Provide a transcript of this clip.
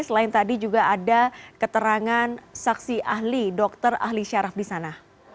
selain tadi juga ada keterangan saksi ahli dokter ahli syaraf di sana